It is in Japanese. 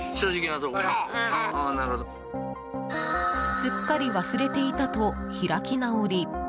すっかり忘れていたと開き直り。